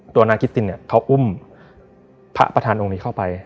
ตัวนางคิตตินเนี่ยเขาอุ้มพระประธานองค์นี้เข้าไป